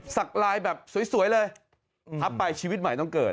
ลายแบบสวยเลยทับไปชีวิตใหม่ต้องเกิด